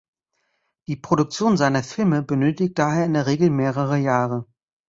Die Produktion seiner Filme benötigt daher in der Regel mehrere Jahre.